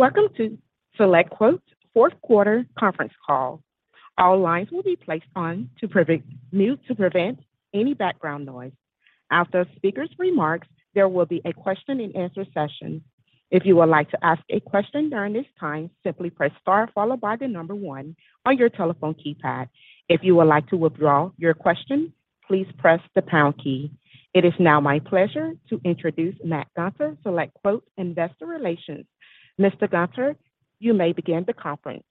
Welcome to SelectQuote's fourth quarter conference call. All lines will be placed on mute to prevent any background noise. After speakers' remarks, there will be a question-and-answer session. If you would like to ask a question during this time, simply press star followed by the number one on your telephone keypad. If you would like to withdraw your question, please press the pound key. It is now my pleasure to introduce Matt Gunter, SelectQuote Investor Relations. Mr. Gunter, you may begin the conference.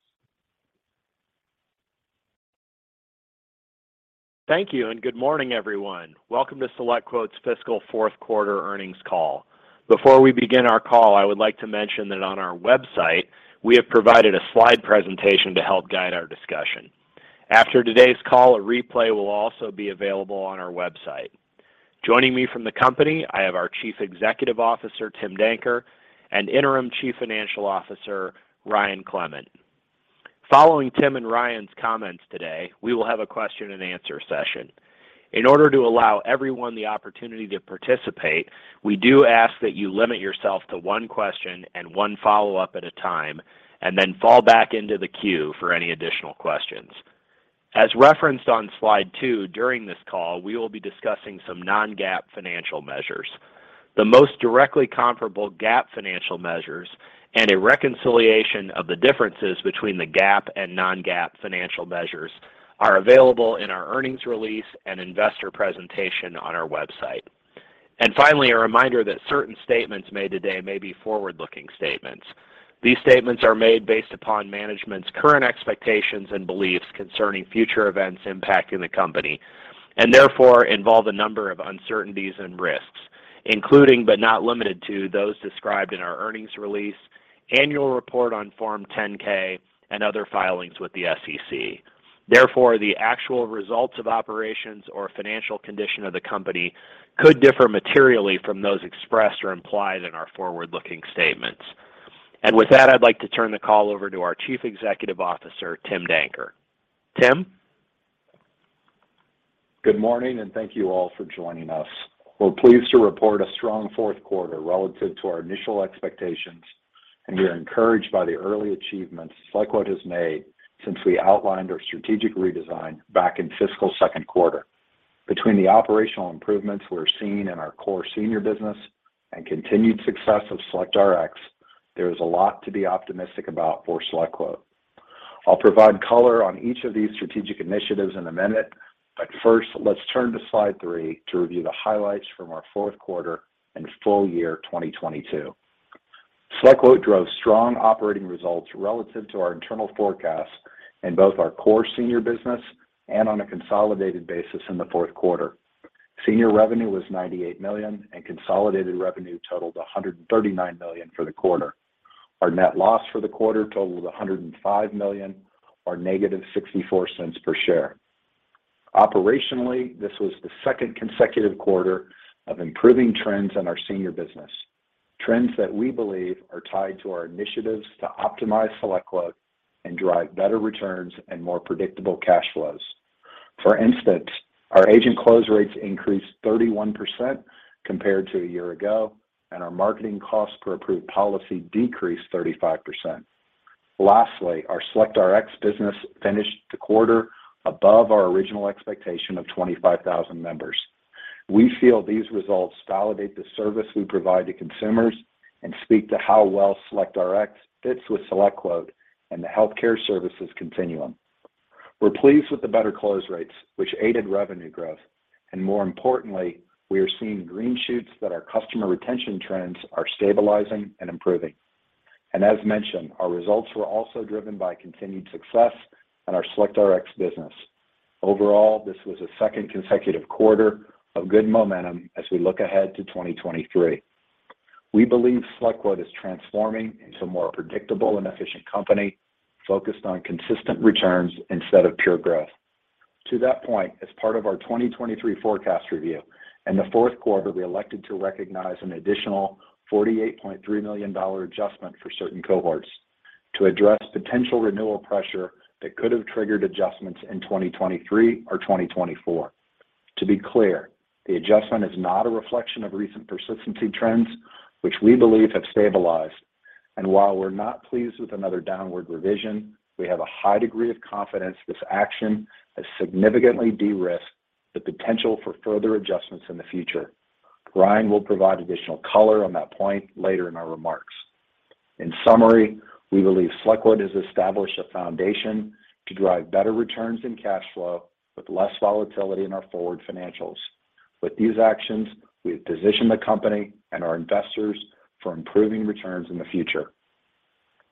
Thank you, and good morning, everyone. Welcome to SelectQuote's Fiscal Fourth Quarter Earnings Call. Before we begin our call, I would like to mention that on our website, we have provided a slide presentation to help guide our discussion. After today's call, a replay will also be available on our website. Joining me from the company, I have our Chief Executive Officer, Tim Danker, and Interim Chief Financial Officer, Ryan Clement. Following Tim and Ryan's comments today, we will have a question-and-answer session. In order to allow everyone the opportunity to participate, we do ask that you limit yourself to one question and one follow-up at a time, and then fall back into the queue for any additional questions. As referenced on slide 2, during this call, we will be discussing some non-GAAP financial measures. The most directly comparable GAAP financial measures and a reconciliation of the differences between the GAAP and non-GAAP financial measures are available in our earnings release and investor presentation on our website. Finally, a reminder that certain statements made today may be forward-looking statements. These statements are made based upon management's current expectations and beliefs concerning future events impacting the company, and therefore, involve a number of uncertainties and risks, including but not limited to, those described in our earnings release, annual report on Form 10-K and other filings with the SEC. Therefore, the actual results of operations or financial condition of the company could differ materially from those expressed or implied in our forward-looking statements. With that, I'd like to turn the call over to our Chief Executive Officer, Tim Danker. Tim? Good morning, and thank you all for joining us. We're pleased to report a strong fourth quarter relative to our initial expectations, and we are encouraged by the early achievements SelectQuote has made since we outlined our strategic redesign back in fiscal second quarter. Between the operational improvements we're seeing in our core senior business and continued success of SelectRx, there is a lot to be optimistic about for SelectQuote. I'll provide color on each of these strategic initiatives in a minute, but first, let's turn to slide 3 to review the highlights from our fourth quarter and full-year 2022. SelectQuote drove strong operating results relative to our internal forecasts in both our core senior business and on a consolidated basis in the fourth quarter. Senior revenue was $98 million, and consolidated revenue totaled $139 million for the quarter. Our net loss for the quarter totaled $105 million or negative $0.64 per share. Operationally, this was the second consecutive quarter of improving trends in our senior business. Trends that we believe are tied to our initiatives to optimize SelectQuote and drive better returns and more predictable cash flows. For instance, our agent close rates increased 31% compared to a year ago, and our marketing cost per approved policy decreased 35%. Lastly, our SelectRx business finished the quarter above our original expectation of 25,000 members. We feel these results validate the service we provide to consumers and speak to how well SelectRx fits with SelectQuote and the healthcare services continuum. We're pleased with the better close rates, which aided revenue growth, and more importantly, we are seeing green shoots that our customer retention trends are stabilizing and improving. As mentioned, our results were also driven by continued success in our SelectRx business. Overall, this was a second consecutive quarter of good momentum as we look ahead to 2023. We believe SelectQuote is transforming into a more predictable and efficient company focused on consistent returns instead of pure growth. To that point, as part of our 2023 forecast review, in the fourth quarter, we elected to recognize an additional $48.3 million adjustment for certain cohorts to address potential renewal pressure that could have triggered adjustments in 2023 or 2024. To be clear, the adjustment is not a reflection of recent persistency trends, which we believe have stabilized. While we're not pleased with another downward revision, we have a high degree of confidence this action has significantly de-risked the potential for further adjustments in the future. Ryan will provide additional color on that point later in our remarks. In summary, we believe SelectQuote has established a foundation to drive better returns and cash flow with less volatility in our forward financials. With these actions, we have positioned the company and our investors for improving returns in the future.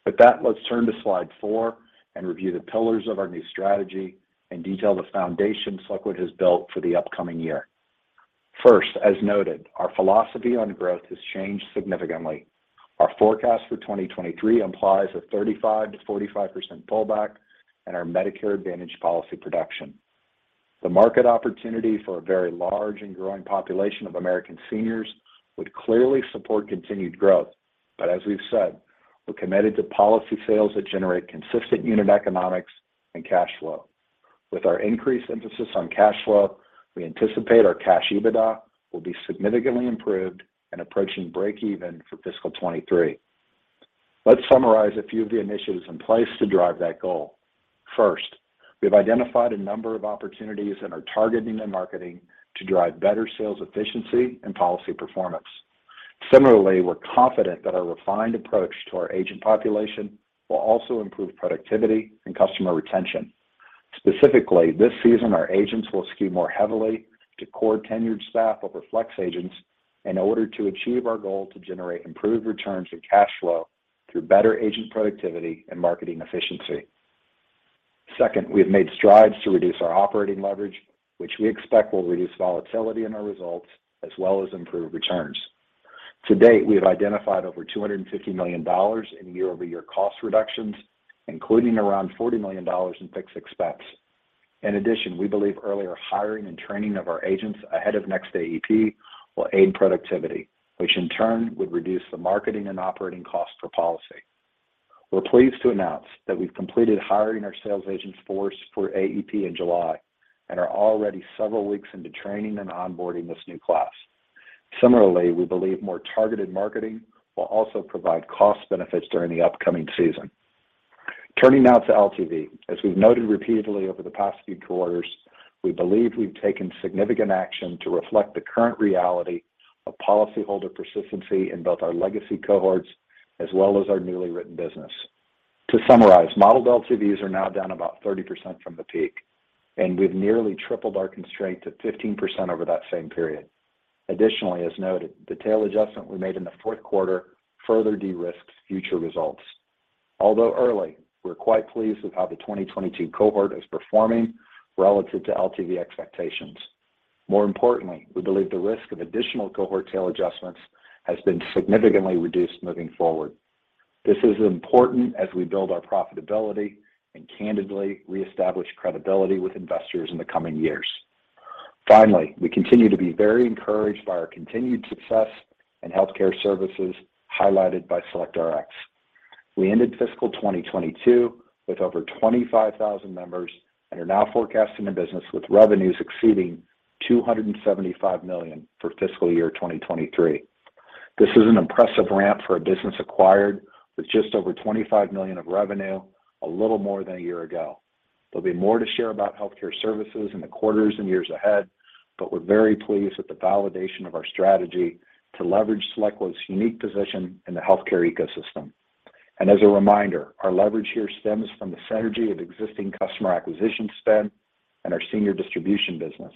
With that, let's turn to slide 4 and review the pillars of our new strategy and detail the foundation SelectQuote has built for the upcoming year. First, as noted, our philosophy on growth has changed significantly. Our forecast for 2023 implies a 35%-45% pullback in our Medicare Advantage policy production. The market opportunity for a very large and growing population of American seniors would clearly support continued growth. As we've said, we're committed to policy sales that generate consistent unit economics and cash flow. With our increased emphasis on cash flow, we anticipate our cash EBITDA will be significantly improved and approaching breakeven for fiscal 2023. Let's summarize a few of the initiatives in place to drive that goal. First, we've identified a number of opportunities and are targeting the marketing to drive better sales efficiency and policy performance. Similarly, we're confident that our refined approach to our agent population will also improve productivity and customer retention. Specifically, this season, our agents will skew more heavily to core tenured staff over flex agents in order to achieve our goal to generate improved returns and cash flow through better agent productivity and marketing efficiency. Second, we have made strides to reduce our operating leverage, which we expect will reduce volatility in our results as well as improve returns. To date, we have identified over $250 million in year-over-year cost reductions, including around $40 million in fixed expense. In addition, we believe earlier hiring and training of our agents ahead of next AEP will aid productivity, which in turn would reduce the marketing and operating costs per policy. We're pleased to announce that we've completed hiring our sales agent force for AEP in July and are already several weeks into training and onboarding this new class. Similarly, we believe more targeted marketing will also provide cost benefits during the upcoming season. Turning now to LTV. As we've noted repeatedly over the past few quarters, we believe we've taken significant action to reflect the current reality of policyholder persistency in both our legacy cohorts as well as our newly written business. To summarize, modeled LTVs are now down about 30% from the peak, and we've nearly tripled our constraint to 15% over that same period. Additionally, as noted, the tail adjustment we made in the fourth quarter further de-risks future results. Although early, we're quite pleased with how the 2022 cohort is performing relative to LTV expectations. More importantly, we believe the risk of additional cohort tail adjustments has been significantly reduced moving forward. This is important as we build our profitability and candidly reestablish credibility with investors in the coming years. Finally, we continue to be very encouraged by our continued success in healthcare services highlighted by SelectRx. We ended fiscal 2022 with over 25,000 members and are now forecasting a business with revenues exceeding $275 million for fiscal year 2023. This is an impressive ramp for a business acquired with just over $25 million of revenue a little more than a year ago. There'll be more to share about healthcare services in the quarters and years ahead, but we're very pleased with the validation of our strategy to leverage SelectQuote's unique position in the healthcare ecosystem. As a reminder, our leverage here stems from the synergy of existing customer acquisition spend and our senior distribution business.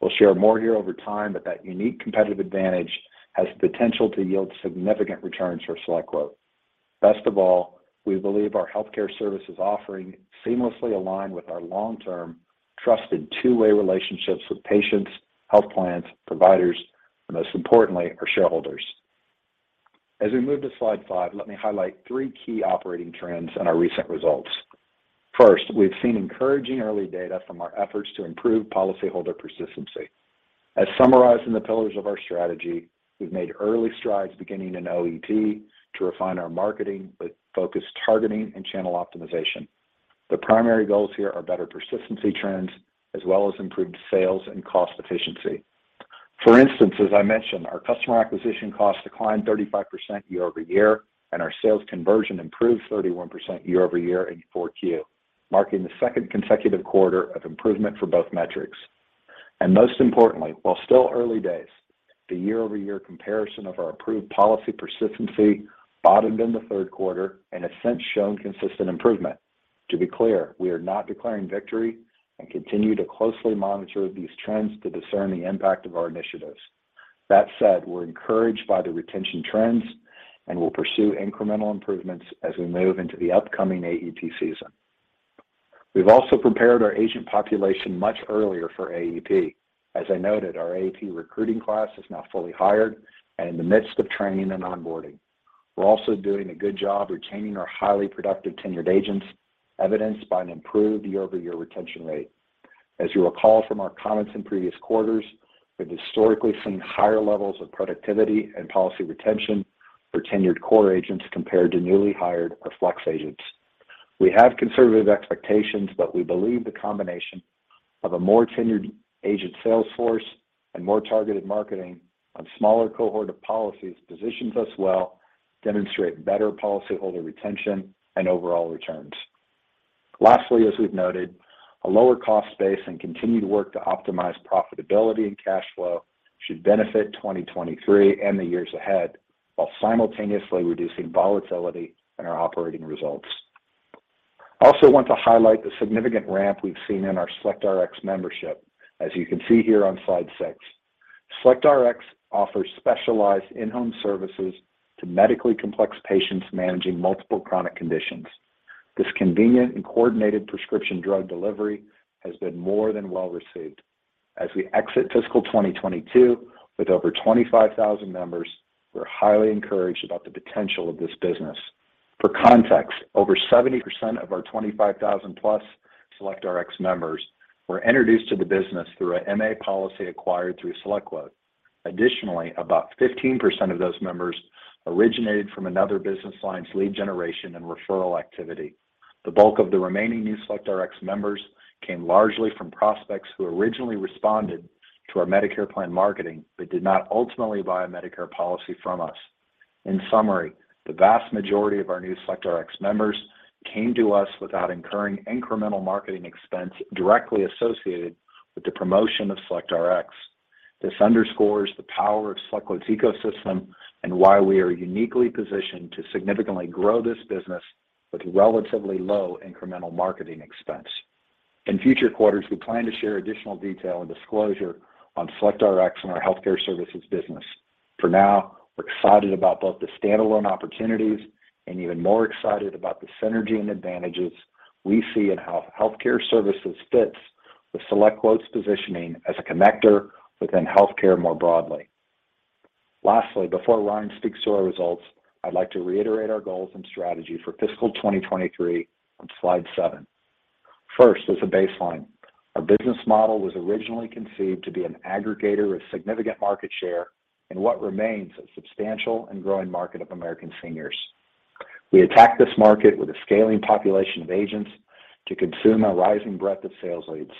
We'll share more here over time, but that unique competitive advantage has the potential to yield significant returns for SelectQuote. Best of all, we believe our healthcare services offering seamlessly align with our long-term trusted two-way relationships with patients, health plans, providers, and most importantly, our shareholders. As we move to slide 5, let me highlight three key operating trends in our recent results. First, we've seen encouraging early data from our efforts to improve policyholder persistency. As summarized in the pillars of our strategy, we've made early strides beginning in OEP to refine our marketing with focused targeting and channel optimization. The primary goals here are better persistency trends as well as improved sales and cost efficiency. For instance, as I mentioned, our customer acquisition costs declined 35% year-over-year, and our sales conversion improved 31% year-over-year in 4Q, marking the second consecutive quarter of improvement for both metrics. Most importantly, while still early days, the year-over-year comparison of our approved policy persistency bottomed in the third quarter and has since shown consistent improvement. To be clear, we are not declaring victory and continue to closely monitor these trends to discern the impact of our initiatives. That said, we're encouraged by the retention trends, and we'll pursue incremental improvements as we move into the upcoming AEP season. We've also prepared our agent population much earlier for AEP. As I noted, our AEP recruiting class is now fully hired and in the midst of training and onboarding. We're also doing a good job retaining our highly productive tenured agents, evidenced by an improved year-over-year retention rate. As you'll recall from our comments in previous quarters, we've historically seen higher levels of productivity and policy retention for tenured core agents compared to newly hired or flex agents. We have conservative expectations, but we believe the combination of a more tenured agent sales force and more targeted marketing on smaller cohort of policies positions us well to demonstrate better policyholder retention and overall returns. Lastly, as we've noted, a lower cost base and continued work to optimize profitability and cash flow should benefit 2023 and the years ahead while simultaneously reducing volatility in our operating results. I also want to highlight the significant ramp we've seen in our SelectRx membership, as you can see here on slide 6. SelectRx offers specialized in-home services to medically complex patients managing multiple chronic conditions. This convenient and coordinated prescription drug delivery has been more than well received. As we exit fiscal 2022 with over 25,000 members, we're highly encouraged about the potential of this business. For context, over 70% of our 25,000+ SelectRx members were introduced to the business through an MA policy acquired through SelectQuote. Additionally, about 15% of those members originated from another business line's lead generation and referral activity. The bulk of the remaining new SelectRx members came largely from prospects who originally responded to our Medicare plan marketing, but did not ultimately buy a Medicare policy from us. In summary, the vast majority of our new SelectRx members came to us without incurring incremental marketing expense directly associated with the promotion of SelectRx. This underscores the power of SelectQuote's ecosystem and why we are uniquely positioned to significantly grow this business with relatively low incremental marketing expense. In future quarters, we plan to share additional detail and disclosure on SelectRx and our healthcare services business. For now, we're excited about both the standalone opportunities and even more excited about the synergy and advantages we see in how healthcare services fits with SelectQuote's positioning as a connector within healthcare more broadly. Lastly, before Ryan speaks to our results, I'd like to reiterate our goals and strategy for fiscal 2023 on slide 7. First, as a baseline, our business model was originally conceived to be an aggregator of significant market share in what remains a substantial and growing market of American seniors. We attacked this market with a scaling population of agents to consume a rising breadth of sales leads.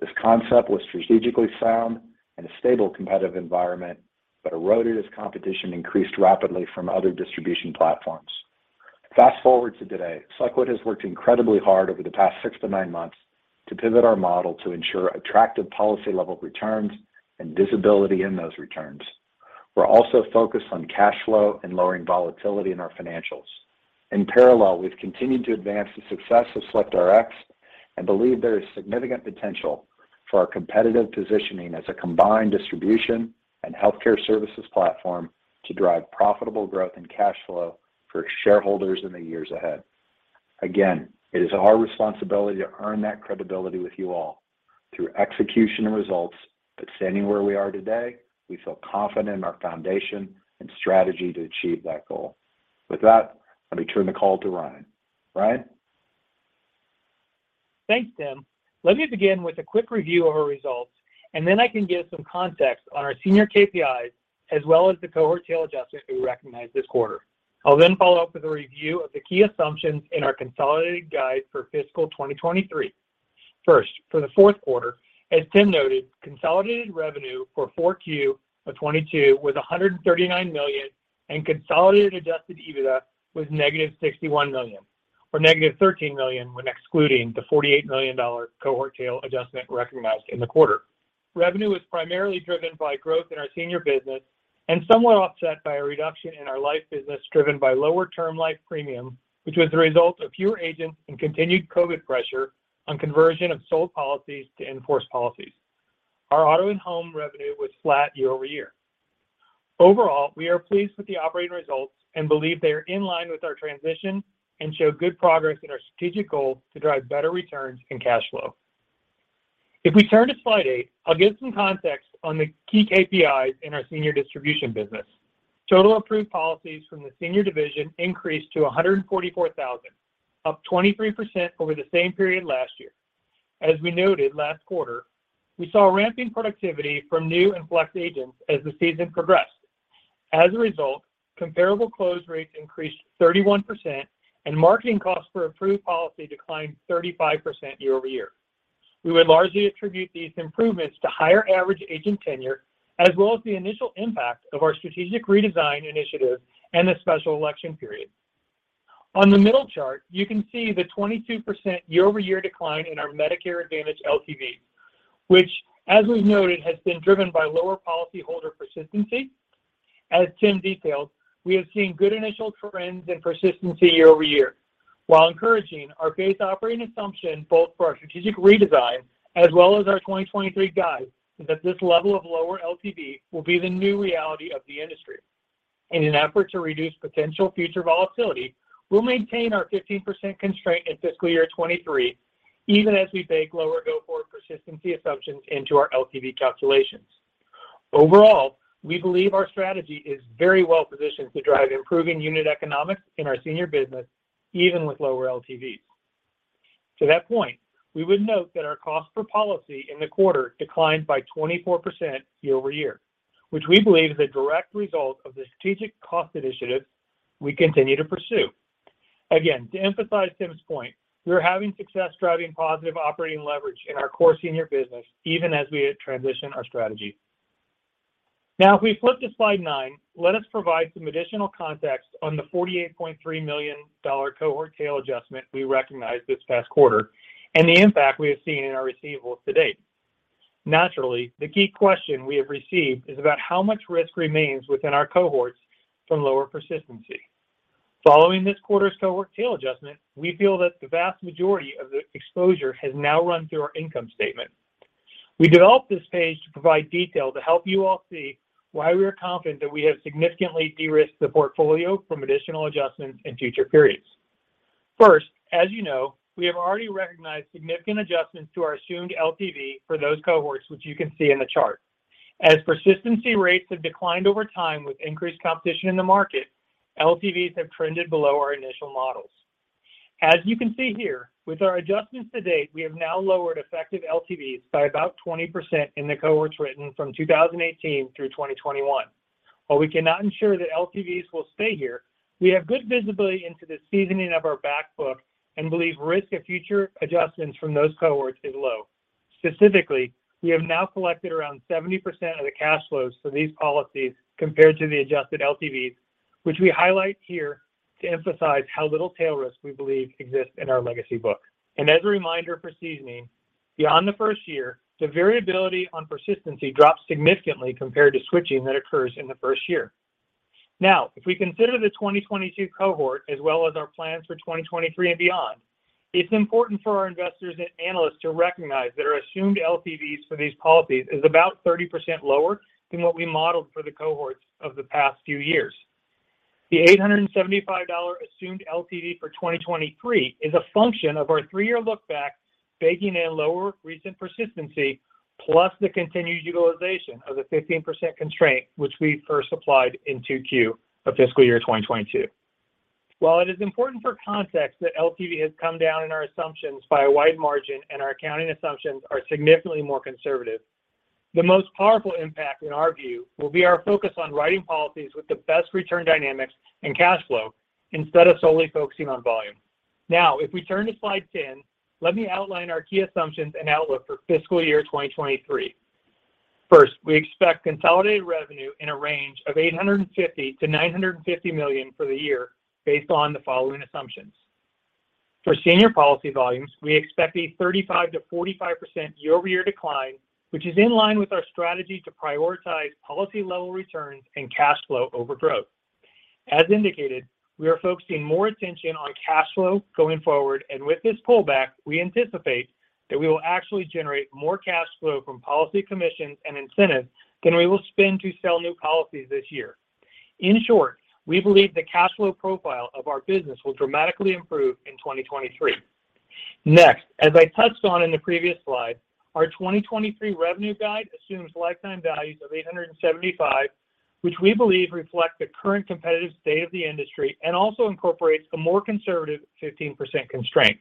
This concept was strategically sound in a stable competitive environment, but eroded as competition increased rapidly from other distribution platforms. Fast-forward to today, SelectQuote has worked incredibly hard over the past six to nine months to pivot our model to ensure attractive policy-level returns and visibility in those returns. We're also focused on cash flow and lowering volatility in our financials. In parallel, we've continued to advance the success of SelectRx and believe there is significant potential for our competitive positioning as a combined distribution and healthcare services platform to drive profitable growth and cash flow for shareholders in the years ahead. Again, it is our responsibility to earn that credibility with you all through execution and results, but standing where we are today, we feel confident in our foundation and strategy to achieve that goal. With that, let me turn the call to Ryan. Ryan? Thanks, Tim. Let me begin with a quick review of our results, and then I can give some context on our senior KPIs as well as the cohort tail adjustment we recognized this quarter. I'll then follow up with a review of the key assumptions in our consolidated guide for fiscal 2023. First, for the fourth quarter, as Tim noted, consolidated revenue for 4Q of 2022 was $139 million, and consolidated adjusted EBITDA was negative $61 million, or negative $13 million when excluding the $48 million cohort tail adjustment recognized in the quarter. Revenue was primarily driven by growth in our senior business and somewhat offset by a reduction in our life business driven by lower term life premium, which was the result of fewer agents and continued COVID pressure on conversion of sold policies to in-force policies. Our auto and home revenue was flat year-over-year. Overall, we are pleased with the operating results and believe they are in line with our transition and show good progress in our strategic goal to drive better returns and cash flow. If we turn to slide 8, I'll give some context on the key KPIs in our senior distribution business. Total approved policies from the senior division increased to 144,000, up 23% over the same period last year. As we noted last quarter, we saw ramping productivity from new and flex agents as the season progressed. As a result, comparable close rates increased 31% and marketing costs for approved policy declined 35% year-over-year. We would largely attribute these improvements to higher average agent tenure, as well as the initial impact of our strategic redesign initiative and the special election period. On the middle chart, you can see the 22% year-over-year decline in our Medicare Advantage LTV, which as we've noted, has been driven by lower policyholder persistency. As Tim detailed, we have seen good initial trends in persistency year-over-year. While encouraging, our base operating assumption both for our strategic redesign as well as our 2023 guide is that this level of lower LTV will be the new reality of the industry. In an effort to reduce potential future volatility, we'll maintain our 15% constraint in fiscal year 2023, even as we bake lower go-forward persistency assumptions into our LTV calculations. Overall, we believe our strategy is very well-positioned to drive improving unit economics in our senior business, even with lower LTVs. To that point, we would note that our cost per policy in the quarter declined by 24% year-over-year, which we believe is a direct result of the strategic cost initiatives we continue to pursue. Again, to emphasize Tim's point, we are having success driving positive operating leverage in our core senior business, even as we transition our strategy. Now, if we flip to slide 9, let us provide some additional context on the $48.3 million cohort tail adjustment we recognized this past quarter and the impact we have seen in our receivables to date. Naturally, the key question we have received is about how much risk remains within our cohorts from lower persistency. Following this quarter's cohort tail adjustment, we feel that the vast majority of the exposure has now run through our income statement. We developed this page to provide detail to help you all see why we are confident that we have significantly de-risked the portfolio from additional adjustments in future periods. First, as you know, we have already recognized significant adjustments to our assumed LTV for those cohorts, which you can see in the chart. As persistency rates have declined over time with increased competition in the market, LTVs have trended below our initial models. As you can see here, with our adjustments to date, we have now lowered effective LTVs by about 20% in the cohorts written from 2018 through 2021. While we cannot ensure that LTVs will stay here, we have good visibility into the seasoning of our back book and believe risk of future adjustments from those cohorts is low. Specifically, we have now collected around 70% of the cash flows for these policies compared to the adjusted LTVs, which we highlight here to emphasize how little tail risk we believe exists in our legacy book. As a reminder for seasoning, beyond the first year, the variability on persistency drops significantly compared to switching that occurs in the first year. Now, if we consider the 2022 cohort as well as our plans for 2023 and beyond, it's important for our investors and analysts to recognize that our assumed LTVs for these policies is about 30% lower than what we modeled for the cohorts of the past few years. The $875 assumed LTV for 2023 is a function of our three-year look-back, baking in lower recent persistency, plus the continued utilization of the 15% constraint, which we first applied in 2Q of fiscal year 2022. While it is important for context that LTV has come down in our assumptions by a wide margin and our accounting assumptions are significantly more conservative, the most powerful impact, in our view, will be our focus on writing policies with the best return dynamics and cash flow instead of solely focusing on volume. Now, if we turn to slide 10, let me outline our key assumptions and outlook for fiscal year 2023. First, we expect consolidated revenue in a range of $850 million-$950 million for the year based on the following assumptions. For senior policy volumes, we expect a 35%-45% year-over-year decline, which is in line with our strategy to prioritize policy-level returns and cash flow over growth. As indicated, we are focusing more attention on cash flow going forward, and with this pullback, we anticipate that we will actually generate more cash flow from policy commissions and incentives than we will spend to sell new policies this year. In short, we believe the cash flow profile of our business will dramatically improve in 2023. Next, as I touched on in the previous slide, our 2023 revenue guide assumes lifetime values of 875, which we believe reflect the current competitive state of the industry and also incorporates a more conservative 15% constraint.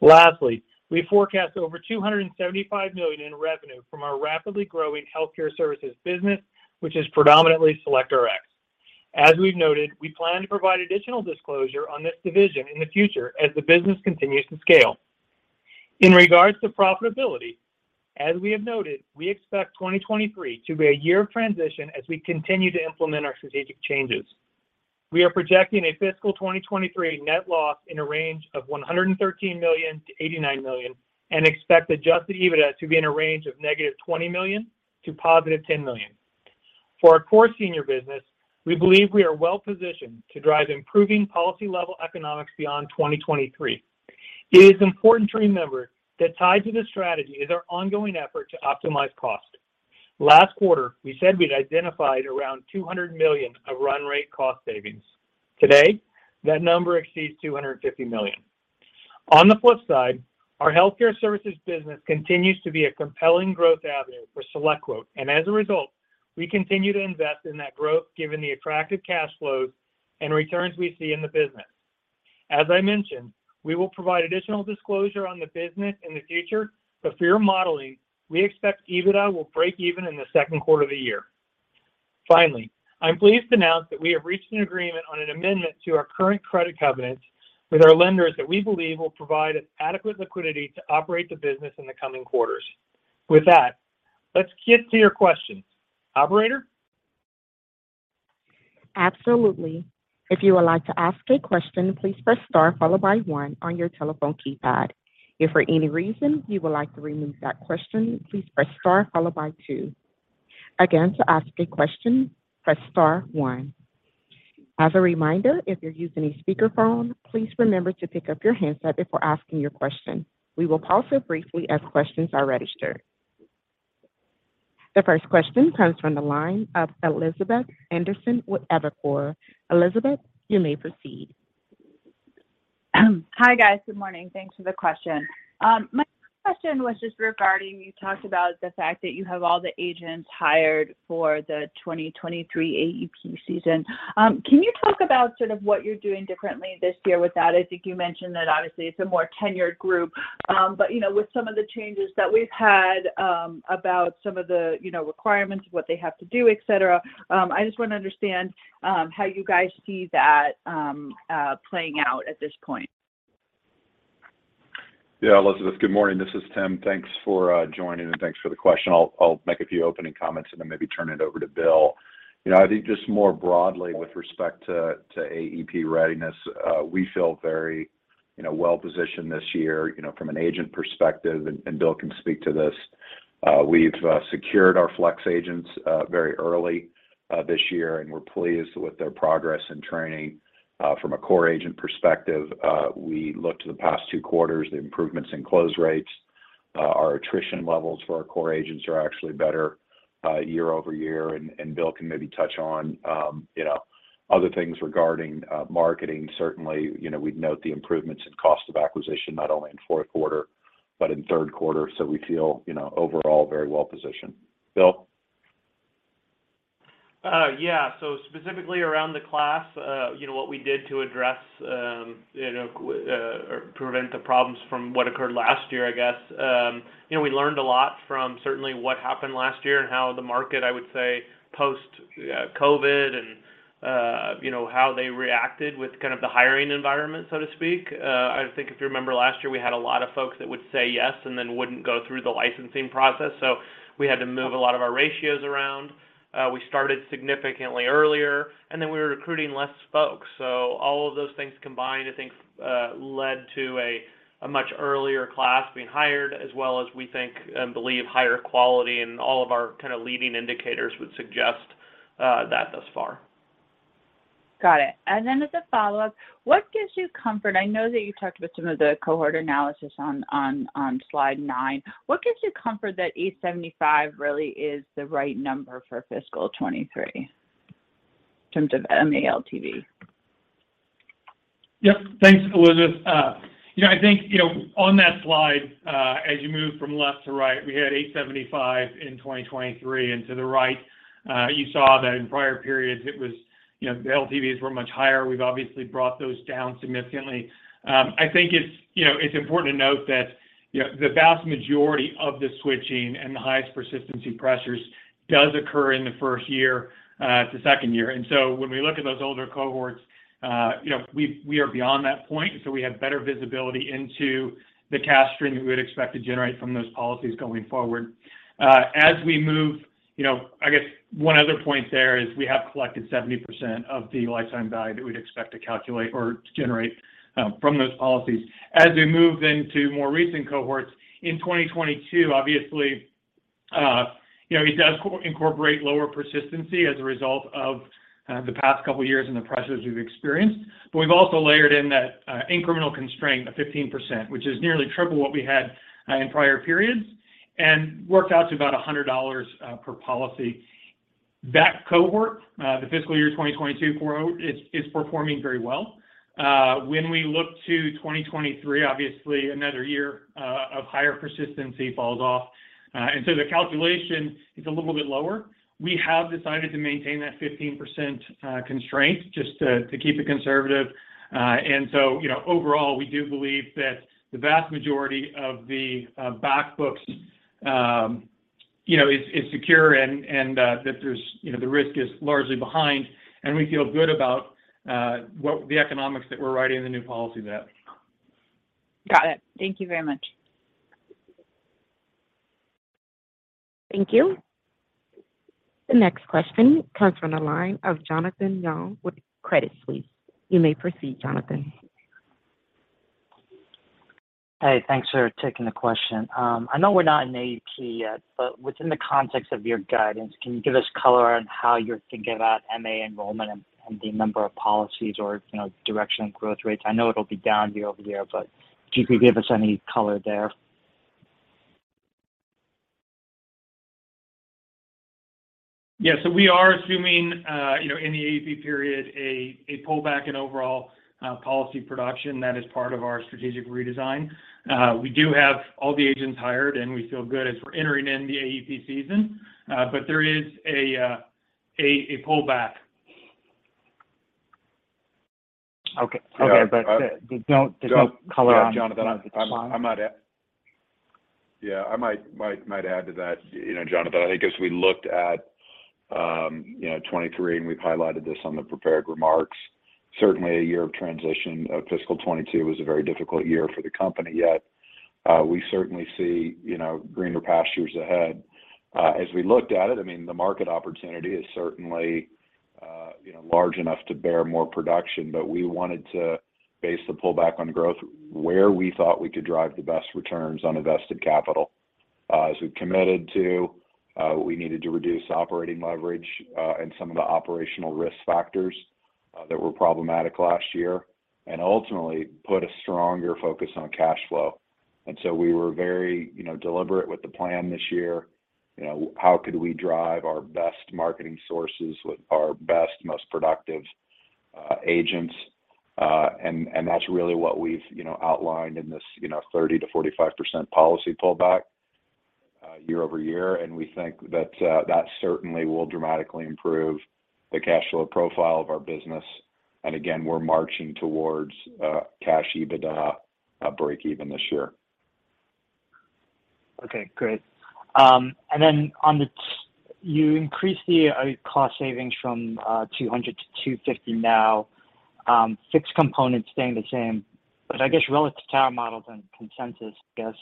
Lastly, we forecast over $275 million in revenue from our rapidly growing healthcare services business, which is predominantly SelectRx. As we've noted, we plan to provide additional disclosure on this division in the future as the business continues to scale. In regards to profitability, as we have noted, we expect 2023 to be a year of transition as we continue to implement our strategic changes. We are projecting a fiscal 2023 net loss in a range of $113 million-$89 million and expect adjusted EBITDA to be in a range of -$20 million to $10 million. For our core senior business, we believe we are well-positioned to drive improving policy-level economics beyond 2023. It is important to remember that tied to this strategy is our ongoing effort to optimize cost. Last quarter, we said we'd identified around $200 million of run rate cost savings. Today, that number exceeds $250 million. On the flip side, our healthcare services business continues to be a compelling growth avenue for SelectQuote, and as a result, we continue to invest in that growth given the attractive cash flows and returns we see in the business. As I mentioned, we will provide additional disclosure on the business in the future, but for your modeling, we expect EBITDA will break even in the second quarter of the year. Finally, I'm pleased to announce that we have reached an agreement on an amendment to our current credit covenants with our lenders that we believe will provide adequate liquidity to operate the business in the coming quarters. With that, let's get to your questions. Operator? Absolutely. If you would like to ask a question, please press star followed by one on your telephone keypad. If for any reason you would like to remove that question, please press star followed by two. Again, to ask a question, press star one. As a reminder, if you're using a speakerphone, please remember to pick up your handset before asking your question. We will pause here briefly as questions are registered. The first question comes from the line of Elizabeth Anderson with Evercore. Elizabeth, you may proceed. Hi, guys. Good morning. Thanks for the question. My question was just regarding, you talked about the fact that you have all the agents hired for the 2023 AEP season. Can you talk about sort of what you're doing differently this year with that? I think you mentioned that obviously it's a more tenured group. You know, with some of the changes that we've had, about some of the, you know, requirements of what they have to do, et cetera, I just want to understand how you guys see that playing out at this point. Yeah. Elizabeth, good morning. This is Tim. Thanks for joining, and thanks for the question. I'll make a few opening comments and then maybe turn it over to Bill. You know, I think just more broadly with respect to AEP readiness, we feel very, you know, well positioned this year, you know, from an agent perspective, and Bill can speak to this. We've secured our flex agents very early this year, and we're pleased with their progress and training. From a core agent perspective, we look to the past two quarters, the improvements in close rates. Our attrition levels for our core agents are actually better year-over-year, and Bill can maybe touch on, you know, other things regarding marketing. Certainly, you know, we'd note the improvements in cost of acquisition, not only in fourth quarter but in third quarter. We feel, you know, overall very well positioned. Bill? Yeah. Specifically around the class, you know, what we did to address, you know, or prevent the problems from what occurred last year, I guess, you know, we learned a lot from certainly what happened last year and how the market, I would say, post-COVID and, you know, how they reacted with kind of the hiring environment, so to speak. I think if you remember last year, we had a lot of folks that would say yes and then wouldn't go through the licensing process. We had to move a lot of our ratios around. We started significantly earlier, and then we were recruiting less folks. All of those things combined, I think, led to a much earlier class being hired, as well as we think and believe higher quality, and all of our kind of leading indicators would suggest that thus far. Got it. As a follow-up, what gives you comfort? I know that you talked about some of the cohort analysis on slide 9. What gives you comfort that 875 really is the right number for fiscal 2023 in terms of MA LTV? Yep. Thanks, Elizabeth. You know, I think, you know, on that slide, as you move from left to right, we had $875 in 2023, and to the right, you saw that in prior periods, it was, you know, the LTVs were much higher. We've obviously brought those down significantly. I think it's, you know, it's important to note that, you know, the vast majority of the switching and the highest persistency pressures does occur in the first year to second year. When we look at those older cohorts, you know, we are beyond that point, and so we have better visibility into the cash stream that we would expect to generate from those policies going forward. As we move, you know, I guess one other point there is we have collected 70% of the lifetime value that we'd expect to calculate or to generate from those policies. As we move into more recent cohorts in 2022, obviously, you know, it does incorporate lower persistency as a result of the past couple of years and the pressures we've experienced. We've also layered in that incremental constraint of 15%, which is nearly triple what we had in prior periods, and worked out to about $100 per policy. That cohort, the fiscal year 2022 cohort is performing very well. When we look to 2023, obviously another year of higher persistency falls off. The calculation is a little bit lower. We have decided to maintain that 15% constraint just to keep it conservative. You know, overall, we do believe that the vast majority of the back books you know is secure and that there's you know the risk is largely behind, and we feel good about what the economics that we're writing the new policy at. Got it. Thank you very much. Thank you. The next question comes from the line of Jonathan Yong with Credit Suisse. You may proceed, Jonathan. Hey, thanks for taking the question. I know we're not in AEP yet, but within the context of your guidance, can you give us color on how you're thinking about MA enrollment and the number of policies or, you know, direction of growth rates? I know it'll be down year-over-year, but if you could give us any color there. Yeah. We are assuming, you know, in the AEP period, a pullback in overall policy production that is part of our strategic redesign. We do have all the agents hired, and we feel good as we're entering in the AEP season. But there is a pullback. Okay. Yeah. Okay, but. So. There's no color on. Yeah, Jonathan, I might add to that, you know, Jonathan, I think as we looked at 2023, and we've highlighted this on the prepared remarks, certainly a year of transition. Fiscal 2022 was a very difficult year for the company yet. We certainly see, you know, greener pastures ahead. As we looked at it, I mean, the market opportunity is certainly, you know, large enough to bear more production. But we wanted to base the pullback on growth where we thought we could drive the best returns on invested capital. As we've committed to, we needed to reduce operating leverage, and some of the operational risk factors, that were problematic last year and ultimately put a stronger focus on cash flow. We were very, you know, deliberate with the plan this year. You know, how could we drive our best marketing sources with our best, most productive agents? That's really what we've, you know, outlined in this, you know, 30%-45% policy pullback, year-over-year. We think that certainly will dramatically improve the cash flow profile of our business. Again, we're marching towards cash EBITDA breakeven this year. Okay, great. You increased the cost savings from $200 million-$250 million now, fixed components staying the same. I guess relative to our models and consensus, I guess,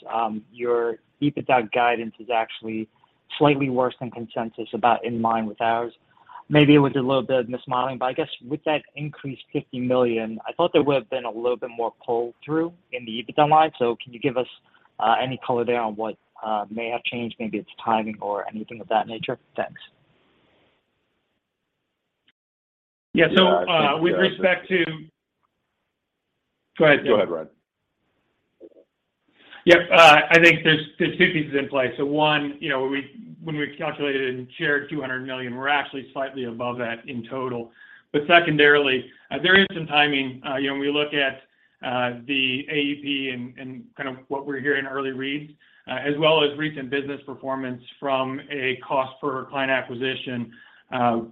your EBITDA guidance is actually slightly worse than consensus about in line with ours. Maybe it was a little bit of mismodeling, but I guess with that increased $50 million, I thought there would've been a little bit more pull through in the EBITDA line. Can you give us any color there on what may have changed, maybe it's timing or anything of that nature? Thanks. Yeah. Yeah, I think. Go ahead. Go ahead, Ryan Clement. Yep. I think there's two pieces in play. One, you know, when we calculated and shared $200 million, we're actually slightly above that in total. Secondarily, there is some timing. You know, when we look at the AEP and kind of what we're hearing early reads, as well as recent business performance from a cost per client acquisition,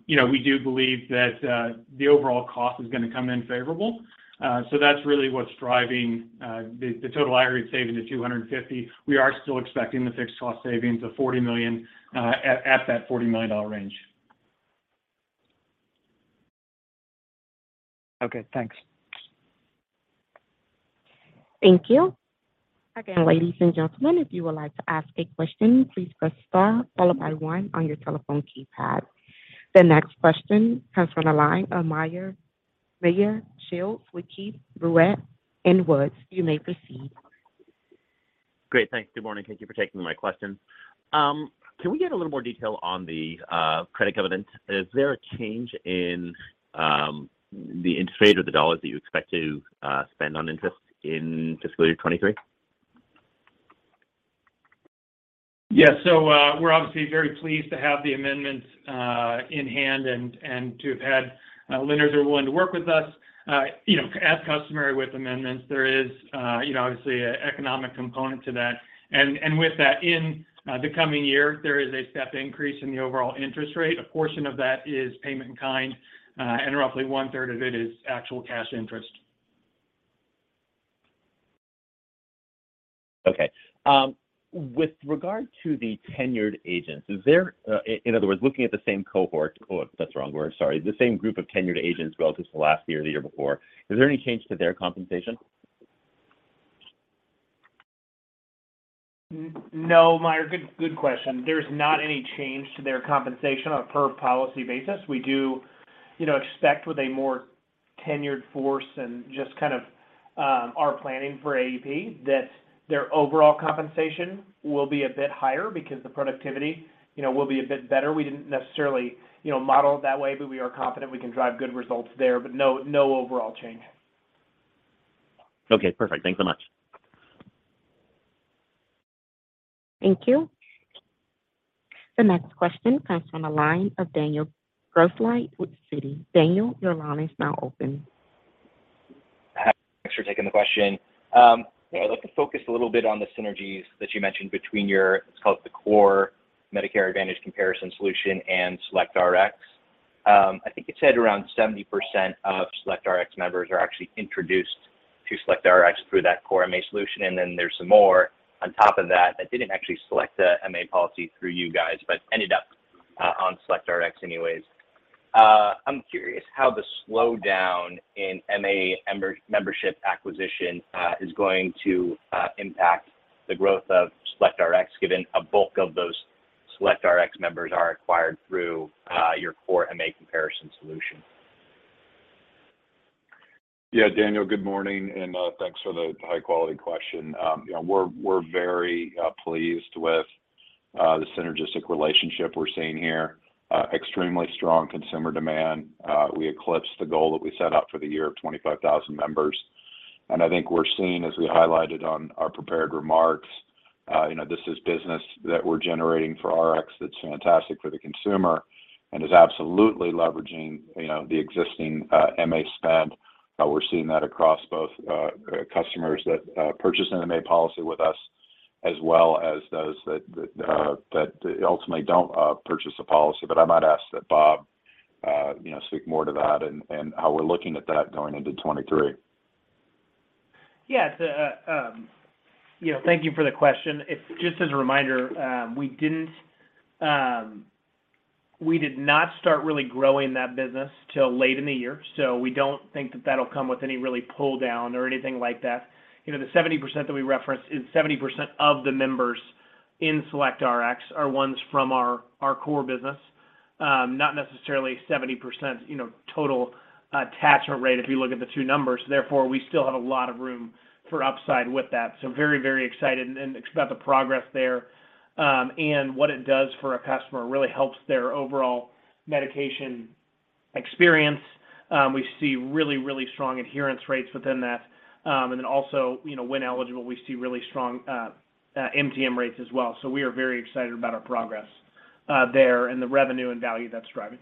you know, we do believe that the overall cost is gonna come in favorable. That's really what's driving the total aggregate savings of $250 million. We are still expecting the fixed cost savings of $40 million at that $40 million range. Okay, thanks. Thank you. Again, ladies and gentlemen, if you would like to ask a question, please press star followed by one on your telephone keypad. The next question comes from the line of Meyer Shields with Keefe, Bruyette & Woods. You may proceed. Great, thanks. Good morning. Thank you for taking my questions. Can we get a little more detail on the credit covenant? Is there a change in the interest rate or the dollars that you expect to spend on interest in fiscal year 2023? Yeah. We're obviously very pleased to have the amendments in hand and to have had lenders that are willing to work with us. You know, as customary with amendments there is you know, obviously an economic component to that. With that in the coming year, there is a step increase in the overall interest rate. A portion of that is payment in kind and roughly 1/3 of it is actual cash interest. Okay. With regard to the tenured agents, in other words, looking at the same group of tenured agents relative to last year or the year before, is there any change to their compensation? No, Meyer. Good question. There's not any change to their compensation on a per policy basis. We do, you know, expect with a more tenured force and just kind of our planning for AEP, that their overall compensation will be a bit higher because the productivity, you know, will be a bit better. We didn't necessarily, you know, model it that way, but we are confident we can drive good results there. No overall change. Okay, perfect. Thanks so much. Thank you. The next question comes from the line of Daniel Grosslight with Citi. Daniel, your line is now open. Hi. Thanks for taking the question. You know, I'd like to focus a little bit on the synergies that you mentioned between your, it's called the Core Medicare Advantage Comparison Solution and SelectRx. I think you said around 70% of SelectRx members are actually introduced to SelectRx through that Core MA solution, and then there's some more on top of that didn't actually select a MA policy through you guys, but ended up on SelectRx anyways. I'm curious how the slowdown in MA membership acquisition is going to impact the growth of SelectRx given a bulk of those SelectRx members are acquired through your Core MA Comparison Solution. Yeah, Daniel, good morning, and thanks for the high quality question. You know, we're very pleased with the synergistic relationship we're seeing here. Extremely strong consumer demand. We eclipsed the goal that we set out for the year of 25,000 members. I think we're seeing, as we highlighted on our prepared remarks, you know, this is business that we're generating for RX that's fantastic for the consumer and is absolutely leveraging, you know, the existing MA spend. We're seeing that across both customers that purchase an MA policy with us, as well as those that ultimately don't purchase a policy. I might ask that Bob, you know, speak more to that and how we're looking at that going into 2023. Yeah. You know, thank you for the question. It's just as a reminder, we did not start really growing that business till late in the year, so we don't think that that'll come with any really pull down or anything like that. You know, the 70% that we referenced is 70% of the members in SelectRx are ones from our core business, not necessarily 70%, you know, total attachment rate if you look at the two numbers. Therefore, we still have a lot of room for upside with that. Very, very excited about the progress there and what it does for a customer. Really helps their overall medication experience. We see really, really strong adherence rates within that. also, you know, when eligible, we see really strong MTM rates as well. We are very excited about our progress there and the revenue and value that's driving.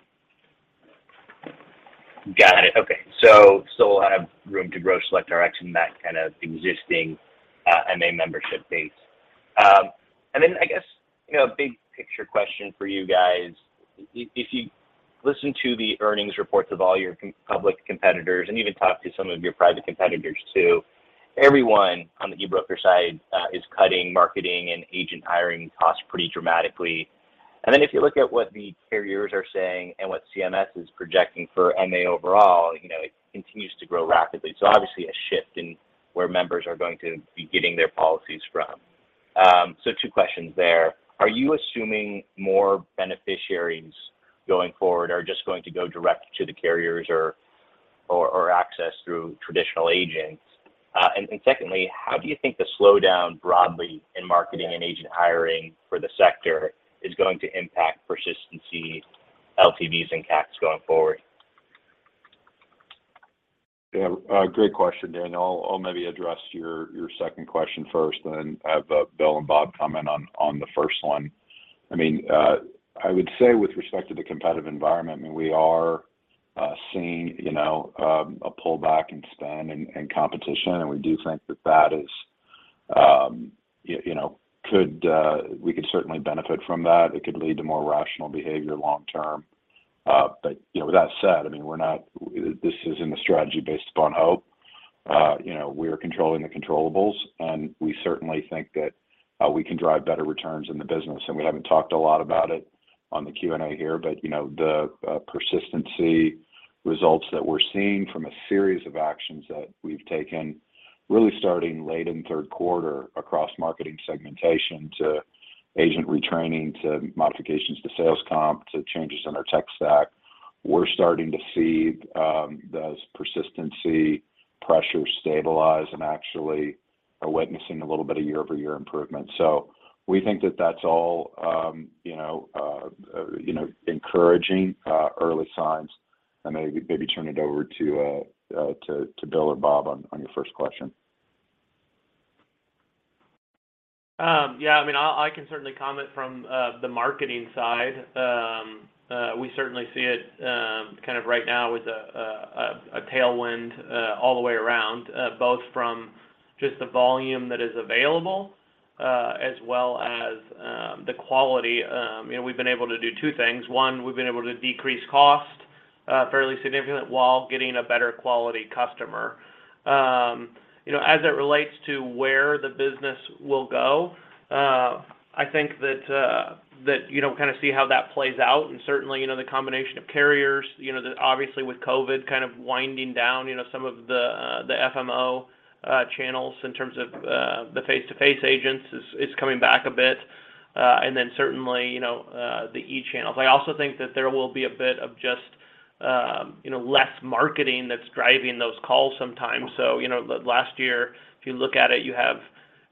Got it. Okay. Still have room to grow SelectRx in that kind of existing MA membership base. I guess, you know, a big picture question for you guys. If you listen to the earnings reports of all your public competitors, and even talk to some of your private competitors too, everyone on the e-broker side is cutting marketing and agent hiring costs pretty dramatically. If you look at what the carriers are saying and what CMS is projecting for MA overall, you know, it continues to grow rapidly. Obviously a shift in where members are going to be getting their policies from. Two questions there: Are you assuming more beneficiaries going forward are just going to go direct to the carriers or access through traditional agents? Secondly, how do you think the slowdown broadly in marketing and agent hiring for the sector is going to impact persistency LTVs and CACs going forward? Yeah. Great question, Daniel. I'll maybe address your second question first, and then have Bill and Bob comment on the first one. I mean, I would say with respect to the competitive environment. I mean, we are seeing, you know, a pullback in spend and competition. We do think that is you know we could certainly benefit from that. It could lead to more rational behavior long term. You know, with that said, I mean, we're not, this isn't a strategy based upon hope. You know, we are controlling the controllables, and we certainly think that we can drive better returns in the business. We haven't talked a lot about it on the Q&A here, but you know, the persistency results that we're seeing from a series of actions that we've taken, really starting late in third quarter across marketing segmentation to agent retraining, to modifications to sales comp, to changes in our tech stack, we're starting to see those persistency pressures stabilize and actually are witnessing a little bit of year-over-year improvement. We think that that's all you know, encouraging early signs. I maybe turn it over to Bill or Bob on your first question. Yeah, I mean, I can certainly comment from the marketing side. We certainly see it kind of right now as a tailwind all the way around both from just the volume that is available as well as the quality. You know, we've been able to do two things. One, we've been able to decrease cost fairly significant while getting a better quality customer. You know, as it relates to where the business will go, I think that you know kind of see how that plays out. Certainly, you know, the combination of carriers, you know, the obviously with COVID kind of winding down, you know, some of the FMO channels in terms of the face-to-face agents is coming back a bit. Certainly, you know, the e-channels. I also think that there will be a bit of just, you know, less marketing that's driving those calls sometimes. You know, last year, if you look at it, you have,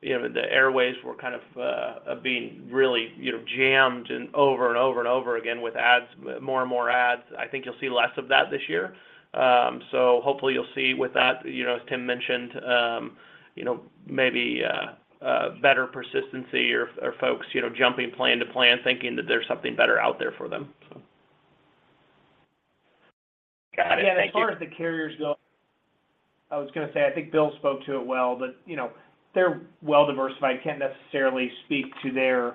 you know, the airwaves were kind of being really, you know, jammed and over and over and over again with ads, more and more ads. I think you'll see less of that this year. Hopefully you'll see with that, you know, as Tim mentioned, you know, maybe better persistency or folks, you know, jumping plan to plan thinking that there's something better out there for them. Got it. Thank you. Yeah, as far as the carriers go, I was gonna say, I think Bill spoke to it well, but, you know, they're well diversified. Can't necessarily speak to their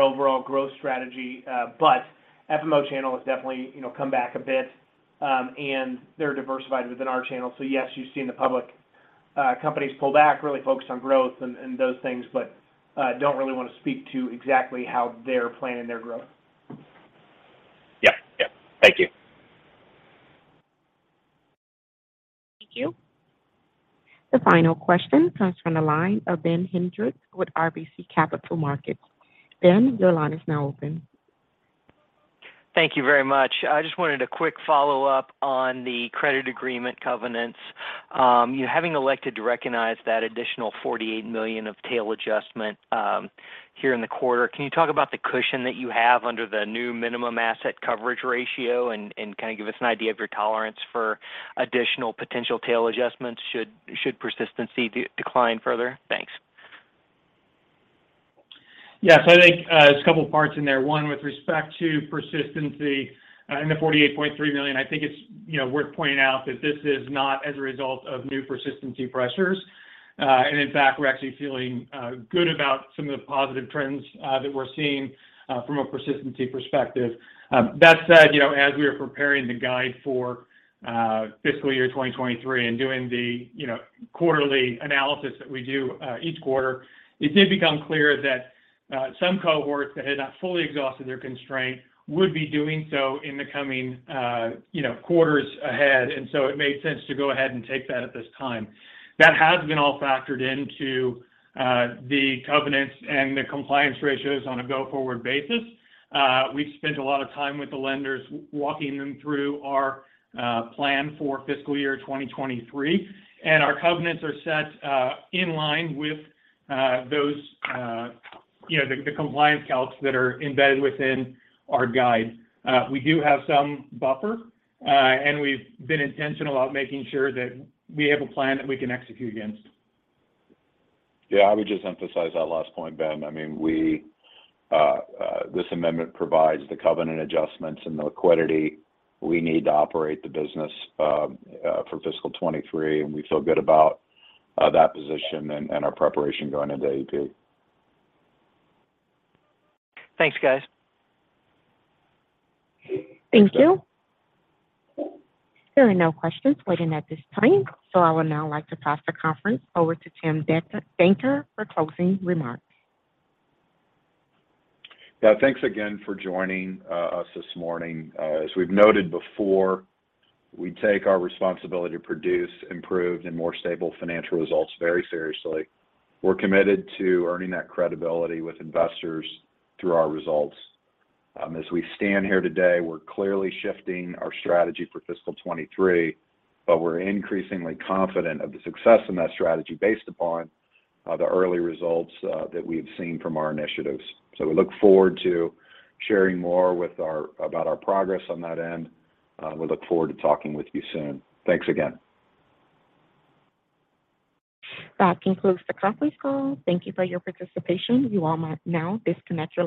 overall growth strategy. FMO channel has definitely, you know, come back a bit, and they're diversified within our channel. Yes, you've seen the public companies pull back, really focus on growth and those things. Don't really wanna speak to exactly how they're planning their growth. Yeah. Yeah. Thank you. Thank you. The final question comes from the line of Ben Hendrix with RBC Capital Markets. Ben, your line is now open. Thank you very much. I just wanted a quick follow-up on the credit agreement covenants. You know, having elected to recognize that additional $48 million of tail adjustment here in the quarter, can you talk about the cushion that you have under the new minimum asset coverage ratio and kind of give us an idea of your tolerance for additional potential tail adjustments should persistency decline further? Thanks. Yes. I think, there's a couple parts in there. One, with respect to persistency and the $48.3 million, I think it's, you know, worth pointing out that this is not as a result of new persistency pressures. In fact, we're actually feeling good about some of the positive trends that we're seeing from a persistency perspective. That said, you know, as we are preparing the guide for fiscal year 2023 and doing the, you know, quarterly analysis that we do each quarter, it did become clear that some cohorts that had not fully exhausted their constraint would be doing so in the coming, you know, quarters ahead. It made sense to go ahead and take that at this time. That has been all factored into the covenants and the compliance ratios on a go-forward basis. We've spent a lot of time with the lenders, walking them through our plan for fiscal year 2023, and our covenants are set in line with those you know the compliance calcs that are embedded within our guide. We do have some buffer, and we've been intentional about making sure that we have a plan that we can execute against. Yeah. I would just emphasize that last point, Ben. I mean, this amendment provides the covenant adjustments and the liquidity we need to operate the business for fiscal 2023, and we feel good about that position and our preparation going into AEP. Thanks, guys. Thank you. There are no questions waiting at this time, so I would now like to pass the conference over to Tim Danker for closing remarks. Yeah. Thanks again for joining us this morning. As we've noted before, we take our responsibility to produce improved and more stable financial results very seriously. We're committed to earning that credibility with investors through our results. As we stand here today, we're clearly shifting our strategy for fiscal 2023, but we're increasingly confident of the success in that strategy based upon the early results that we've seen from our initiatives. We look forward to sharing more about our progress on that end. We look forward to talking with you soon. Thanks again. That concludes the conference call. Thank you for your participation. You all are now disconnected.